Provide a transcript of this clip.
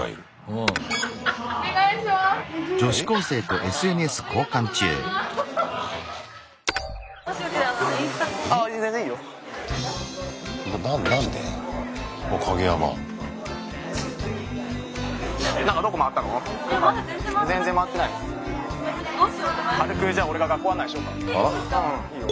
うんいいよ。